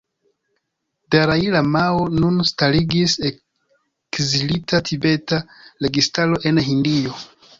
Dalai Lamao nun starigis Ekzilita tibeta registaro en Hindio.